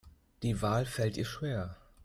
Die Wahl fällt ihr schwer.